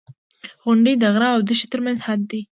• غونډۍ د غره او دښتې ترمنځ حد دی.